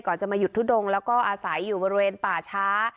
จะมาหยุดทุดงแล้วก็อาศัยอยู่บริเวณป่าช้า